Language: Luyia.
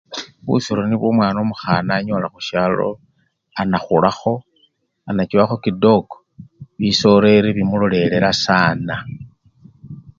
Busiro nibwo omwna omukhana anyola khusyalo, anakhulakho! anachowakho kidoko, bisoleli bimulolelela sana.